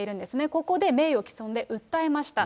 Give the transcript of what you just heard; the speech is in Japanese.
ここで名誉毀損で訴えました。